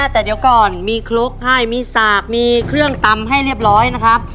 แต่เดี๋ยวก่อนมีครกให้มีสากมีเครื่องตำให้เรียบร้อยนะครับ